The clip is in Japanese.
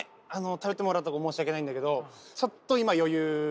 頼ってもらったところ申し訳ないんだけどちょっと今余裕ない。